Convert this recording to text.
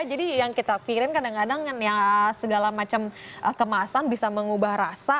jadi yang kita pikirin kadang kadang ya segala macam kemasan bisa mengubah rasa